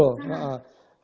digagas oleh ya betul betul